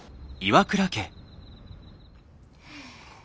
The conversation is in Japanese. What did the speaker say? はあ。